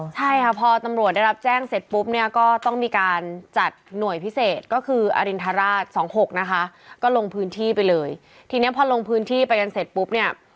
ใช่ค่ะพอตำรวจได้รับแจ้งเสร็จปุ๊บ